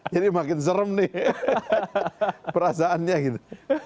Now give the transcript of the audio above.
jadi makin serem nih perasaannya gitu